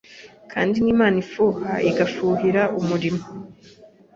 kandi ni Imana ifuha igafuhira umurimo